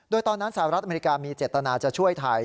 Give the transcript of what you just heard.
โดยตอนนั้นสหรัฐอเมริกามีเจตนาจะช่วยไทย